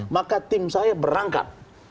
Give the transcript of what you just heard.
maka tim saya berangkat